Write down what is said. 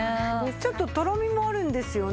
ちょっととろみもあるんですよね。